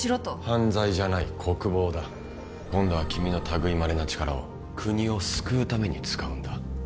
犯罪じゃない国防だ今度は君のたぐいまれな力を国を救うために使うんだ